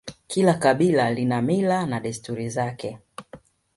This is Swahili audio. Kila kabila lina mila na desturi zake